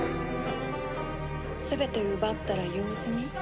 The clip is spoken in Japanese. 全て奪ったら用済み。